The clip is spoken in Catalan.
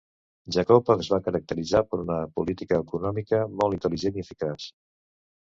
Jacob es va caracteritzar per una política econòmica molt intel·ligent i eficaç.